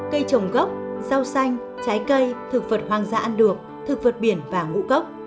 cây trồng gốc rau xanh trái cây thực vật hoang dã ăn được thực vật biển và ngũ cốc